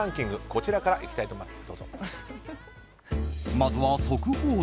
こちらからいきたいと思います。